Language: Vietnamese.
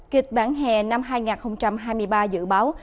kịch bản hè năm hai nghìn hai mươi ba dự báo